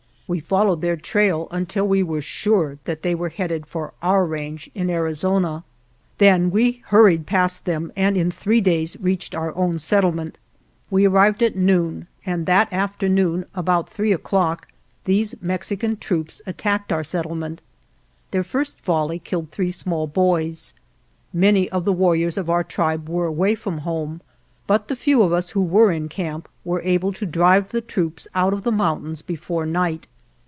We followed their trail until we were sure that they were headed for our range in Ari zona; then we hurried past them and in three days reached our own settlement. We arrived at noon, and that afternoon, about three o'clock, these Mexican troops attacked our settlement. Their first volley killed three small boys. Many of the war riors of our tribe were away from home, but the few of us who were in camp were able to drive the troops out of the mountains be fore night.